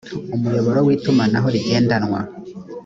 umuyoboro w itumanaho rigendanwa